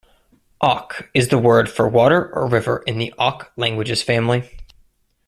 "Ok" is the word for water or river in the Ok languages family.